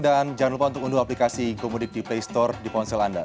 dan jangan lupa untuk unduh aplikasi gomudik di playstore di ponsel anda